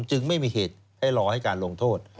จึงไม่มีเหตุให้รอให้การลงโทษ